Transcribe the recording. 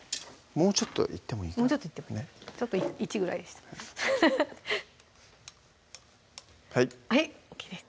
もうちょっといってもいいちょっと１ぐらいでしたからはいはいＯＫです